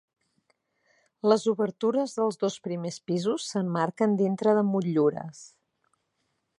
Les obertures dels dos primers pisos s'emmarquen dintre de motllures.